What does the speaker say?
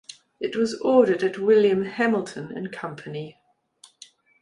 It was ordered at William Hamilton and Company.